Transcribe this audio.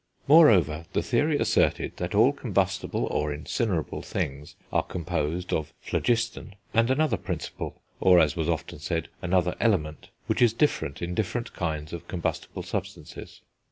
Moreover, the theory asserted that all combustible, or incinerable, things are composed of phlogiston, and another principle, or, as was often said, another element, which is different in different kinds of combustible substances.